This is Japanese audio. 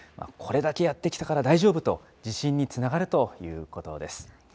これだけやってきたから大丈夫と、自信につながるということです。